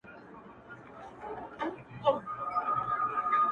چي بې عزتو را سرتوري کړلې!!